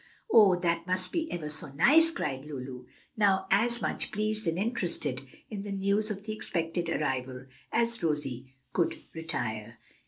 "Oh, that must be ever so nice!" cried Lulu, now as much pleased and interested in the news of the expected arrival as Rosie could desire.